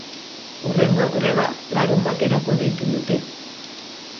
Hurrengo greba larunbaterako deitu dute.